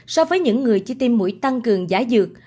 so với những người chi tiêm mũi tăng cường giả dược